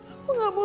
aku gak mau